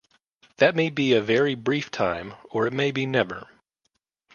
That may be a very brief time, or it may be never.